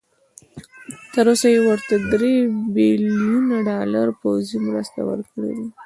تر اوسه یې ورته درې بيلیونه ډالر پوځي مرسته ورکړي دي.